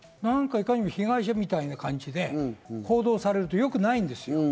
何かいかにも被害者みたいな感じで報道されると良くないんですよ。